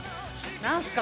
何すか？